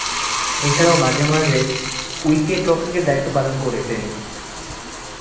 এছাড়াও মাঝে-মধ্যে উইকেট-রক্ষকের দায়িত্ব পালন করেছেন।